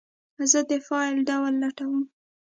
زه د فایل ډول لټوم.